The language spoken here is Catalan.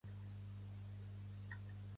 Pertany al moviment independentista la Cristina?